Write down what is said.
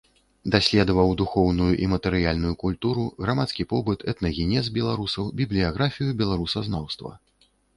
Даследаваў духоўную і матэрыяльную культуру, грамадскі побыт, этнагенез беларусаў, бібліяграфію беларусазнаўства.